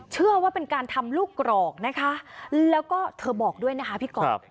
เชื่อว่าเป็นการทำลูกกรอกนะคะแล้วก็เธอบอกด้วยนะคะพี่กรอบ